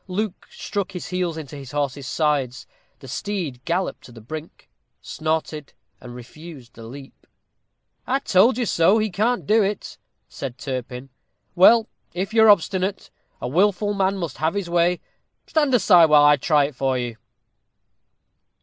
Luke struck his heels into his horse's sides. The steed galloped to the brink, snorted, and refused the leap. "I told you so he can't do it," said Turpin. "Well, if you are obstinate, a wilful man must have his way. Stand aside, while I try it for you."